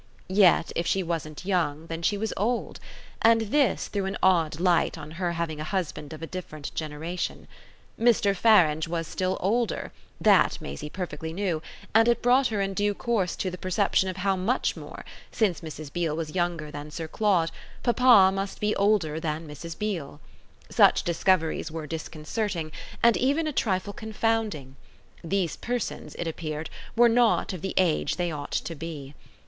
Yet if she wasn't young then she was old; and this threw an odd light on her having a husband of a different generation. Mr. Farange was still older that Maisie perfectly knew; and it brought her in due course to the perception of how much more, since Mrs. Beale was younger than Sir Claude, papa must be older than Mrs. Beale. Such discoveries were disconcerting and even a trifle confounding: these persons, it appeared, were not of the age they ought to be.